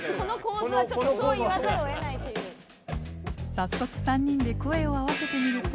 早速３人で声を合わせてみると。